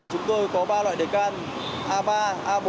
chúng tôi có ba loại đề can a ba a bốn và a năm